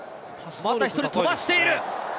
また１人飛ばしている。